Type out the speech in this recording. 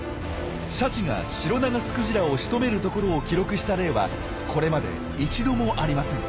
シャチがシロナガスクジラをしとめるところを記録した例はこれまで一度もありません。